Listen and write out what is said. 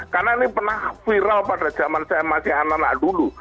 karena ini pernah viral pada zaman saya masih anak anak dulu